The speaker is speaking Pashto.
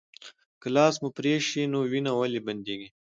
که لاس مو پرې شي نو وینه ولې بندیږي